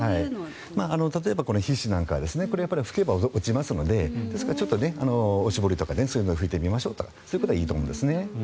例えば皮脂なんかは拭けば落ちますのでですから、ちょっとお絞りとかそういうので拭いてみましょうとかそういうことはいいと思うんですね。